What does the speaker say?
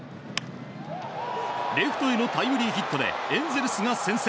レフトへのタイムリーヒットでエンゼルスが先制。